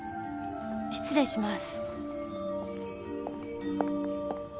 失礼します。